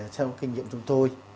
sau kinh nghiệm chúng tôi